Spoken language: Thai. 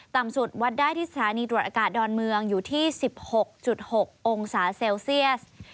ต่ำสุดวัดได้ที่สถานีตรวจอากาศดอนเมืองอยู่ที่๑๖๖องศาเซลเซียส